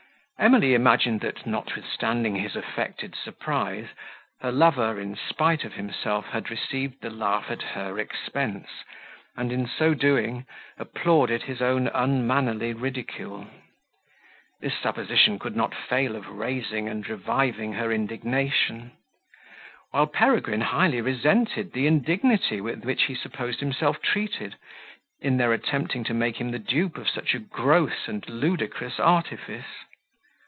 Emilia imagined that, notwithstanding his affected surprise, her lover, in spite of himself, had received the laugh at her expense, and in so doing applauded his own unmannerly ridicule. This supposition could not fail of raising and reviving her indignation, while Peregrine highly resented the indignity, with which he supposed himself treated, in their attempting to make him the dupe of such a gross and ludicrous artifice.